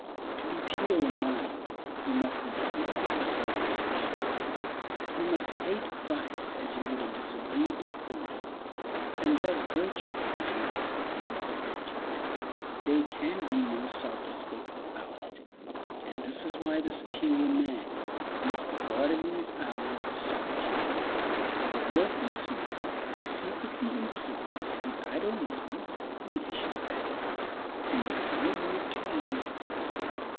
.. To be pure in mind, you must be free from selfdeception— you must hate vice as you would a disagreeable odor, and love virtue as you would some beautiful object. There can be no self respect without it, and this is why the superior man must be guarded in his hours of solitude. "The worthless man secretly employs his idle moments in vicious acts, and there is no limit to his wickedness.